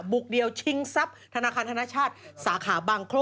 บุกเดียวชิงทรัพย์ธนาคารธนชาติสาขาบางโคร่